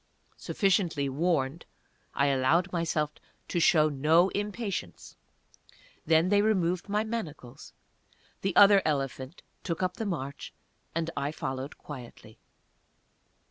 Sufficiently warned, I allowed myself to show no impatience. Then they removed my manacles; the other elephant took up the march, and I followed quietly.